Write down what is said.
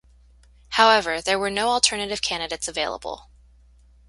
However, there were no alternative candidates available.